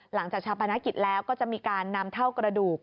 หลังจากชาปนักฤทธิ์แล้วก็จะมีการนำเถ้ากระดูก